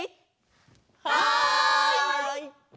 はい！